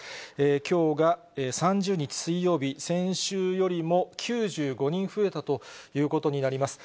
きょうが３０日水曜日、先週よりも９５人増えたということになります。